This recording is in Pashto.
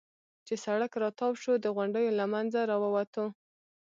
چې سړک را تاو شو، د غونډیو له منځه را ووتو.